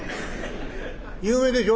「有名でしょ？」。